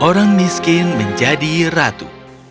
orang miskin menjadi ratu